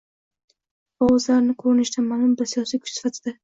va o‘zlarini u yoki bu ko‘rinishda ma’lum bir siyosiy kuch sifatida